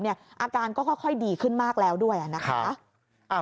อาการก็ค่อยดีขึ้นมากแล้วด้วยนะคะ